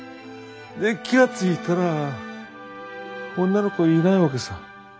で気が付いたら女の子がいないわけさ。